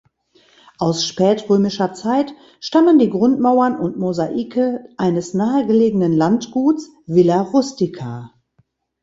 Aus spätrömischer Zeit stammen die Grundmauern und Mosaike eines nahegelegenen Landguts "(villa rustica)".